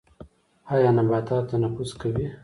ایا نباتات تنفس کوي؟